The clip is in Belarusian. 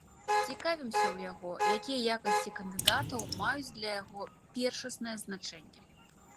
Цікавімся ў яго, якія якасці кандыдатаў маюць для яго першаснае значэнне.